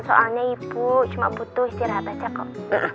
soalnya ibu cuma butuh istirahat aja kok